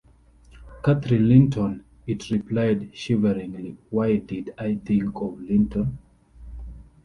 ‘Catherine Linton,’ it replied, shiveringly why did I think of Linton?